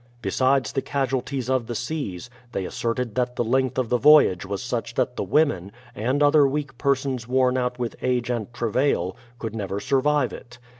Besides the casualties of the seas, they asserted that the length of the voyage was such that the women, and other weak persons worn out with age and travail, could never survive it.